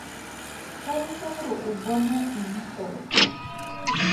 Tlhalosa gore o bona eng tota?